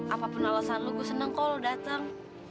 apapun alasan lu gue senang kalau lu datang